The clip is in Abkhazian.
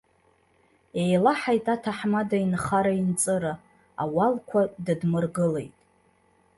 Еилаҳаит аҭаҳмада инхара-инҵыра, ауалқәа дыдмыргылеит.